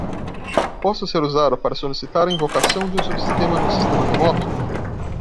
Posso ser usado para solicitar a invocação de um subsistema no sistema remoto?